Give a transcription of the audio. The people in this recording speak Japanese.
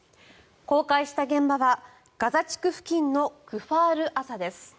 公開した現場はガザ地区付近のクファール・アザです。